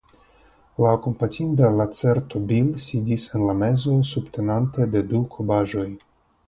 La kompatinda lacerto Bil sidis en la mezo subtenate de du kobajoj.